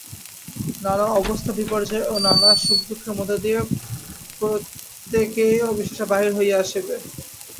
নানা অবস্থা-বিপর্যয় ও নানা সুখ-দুঃখের মধ্য দিয়া প্রত্যেকেই অবশেষে বাহির হইয়া আসিবে।